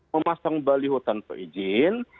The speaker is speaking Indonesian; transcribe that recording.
memasang balihu tanpa izin